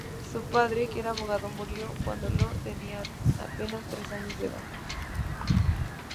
Su padre, que era abogado, murió cuando Lord tenía apenas tres años de edad.